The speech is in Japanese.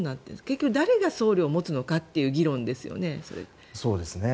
結局誰が送料を持つのかという議論ですよね。